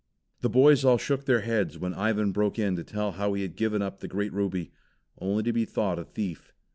The boys all shook their heads when Ivan broke in to tell how he had given up the great ruby, only to be thought a thief.